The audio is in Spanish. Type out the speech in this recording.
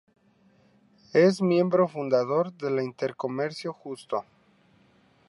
Es miembro fundador de la Inter-Comercio Justo.